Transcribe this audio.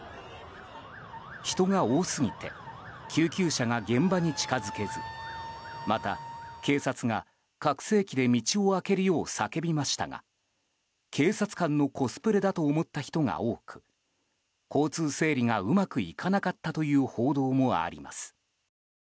人が多すぎて救急車が現場に近づけずまた、警察が拡声器で道を開けるよう叫びましたが警察官のコスプレだと思った人が多く交通整理がうまくいかなかったという報道もあります。